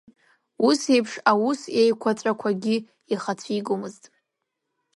Ус еиԥш аус еиқәаҵәақәагьы ихы ацәигомызт.